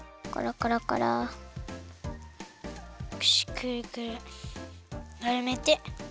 くるくるまるめて。